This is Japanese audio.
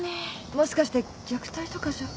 もしかして虐待とかじゃ。